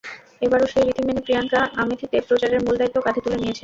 এবারও সেই রীতি মেনে প্রিয়াঙ্কা আমেথিতে প্রচারের মূল দায়িত্ব কাঁধে তুলে নিয়েছেন।